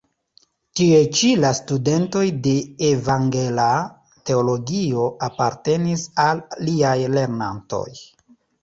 Tie ĉi la studentoj de evangela teologio apartenis al liaj lernantoj.